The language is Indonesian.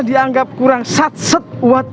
dianggap kurang satset